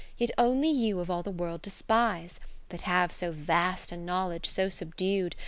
Yet only you of all the World despise ; That have so vast a knowledge so subdued.